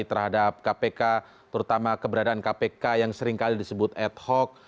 terhadap kpk terutama keberadaan kpk yang seringkali disebut ad hoc